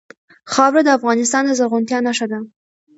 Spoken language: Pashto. خاوره د افغانستان د زرغونتیا نښه ده.